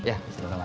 ya sudah nama